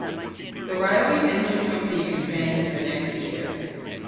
The Riley Engine Company expanded the next year.